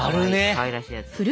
かわいらしいやつ。